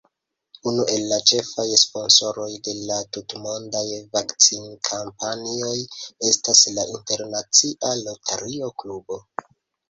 Unu el la ĉefaj sponsoroj de la tutmondaj vakcinkampanjoj estas la internacia Rotario-klubo.